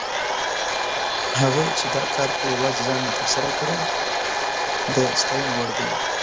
هغه چې دا کار په یوازې ځان تر سره کړی، د ستاینې وړ دی.